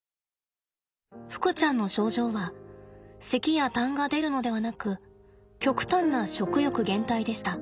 ふくちゃんの症状はせきやたんが出るのではなく極端な食欲減退でした。